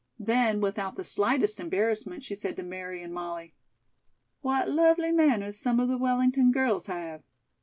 Then, without the slightest embarrassment, she said to Mary and Molly: "What lovely manners some of the Wellington girls have!"